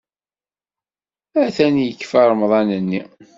Atan yekfa Remḍan-nni!